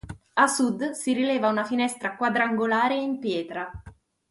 A sud si rileva una finestra quadrangolare in pietra.